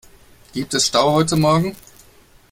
Gibt es Stau heute morgen?